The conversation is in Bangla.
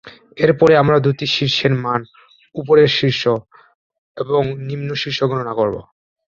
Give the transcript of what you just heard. এরপরে আমরা দুটি শীর্ষের মান, উপরের শীর্ষ এবং নিম্ন শীর্ষ গণনা করব।